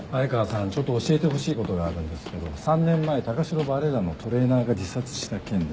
ちょっと教えてほしいことがあるんですけど３年前高城バレエ団のトレーナーが自殺した件で。